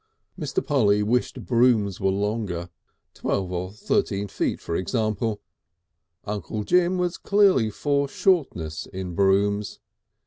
Mr. Polly wished brooms were longer, twelve or thirteen feet, for example; Uncle Jim was clearly for shortness in brooms.